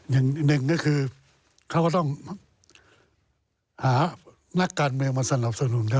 อย่างหนึ่งก็คือเขาก็ต้องหานักการเมืองมาสนับสนุน